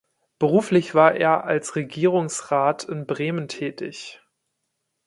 Beruflich war er als Regierungsrat in Bremen tätig.